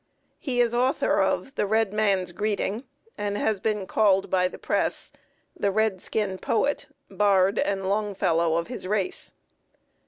He is author of the "Red Man's Greeting," and has been called by the press the "Redskin poet, bard, and Longfellow of his race."